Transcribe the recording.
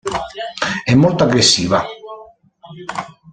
È molto aggressiva.